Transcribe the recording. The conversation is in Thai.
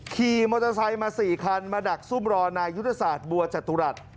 ขี่มอเตอร์ไซค์มา๔คันมาดักซุ่มรอนายุทธศาสตร์บัวจตุรัส